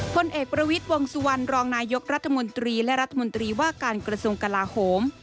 พลเอกประวิทย์วงสุวรรณรองนายกรัฐมนตรีและรัฐมนตรีว่าการกระทรวงกลาโหม